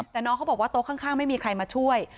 แต่น้องเขาบอกว่าโต๊ะข้างไม่มีใครมาช่วย